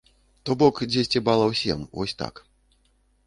То бок дзесьці балаў сем, вось так.